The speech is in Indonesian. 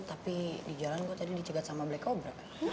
tapi di jalan kok tadi dicegat sama black kobra